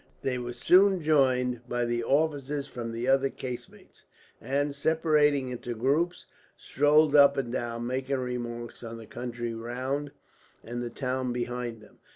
They were soon joined by the officers from the other casemates and, separating into groups, strolled up and down, making remarks on the country round and the town behind them.